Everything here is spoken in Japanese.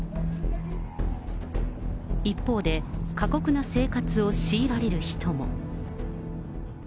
一方で、過酷な生活を強いられる人も。